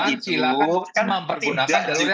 tapi kan pelanggaran itu